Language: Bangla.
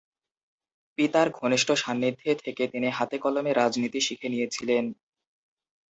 পিতার ঘনিষ্ঠ সান্নিধ্যে থেকে তিনি হাতে-কলমে রাজনীতি শিখে নিয়েছিলেন।